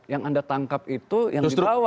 yang anda tangkap itu yang dibawa